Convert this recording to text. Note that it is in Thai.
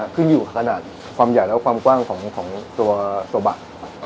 ขึ้นอยู่ขนาดความใหญ่และความกว้างของตัวโซบะ